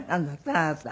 あなた。